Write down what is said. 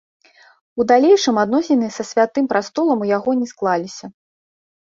У далейшым адносіны са святым прастолам у яго не склаліся.